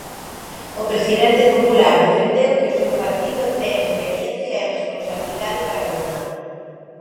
O presidente popular defendeu que o seu partido ten experiencia e responsabilidade para gobernar.